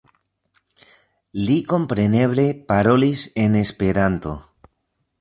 Li kompreneble parolis en Esperanto.